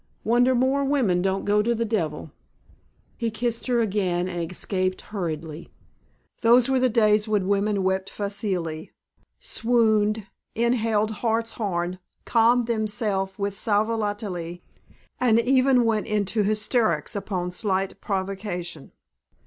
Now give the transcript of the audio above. Wonder more women don't go to the devil." He kissed her again and escaped hurriedly. Those were the days when women wept facilely, "swooned," inhaled hartshorn, calmed themselves with sal volatile, and even went into hysterics upon slight provocation.